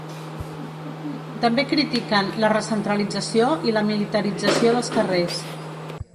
També critiquen la recentralització i la militarització dels carrers.